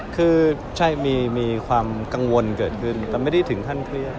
คือใช่มีความกังวลเกิดขึ้นแต่ไม่ได้ถึงขั้นเครียด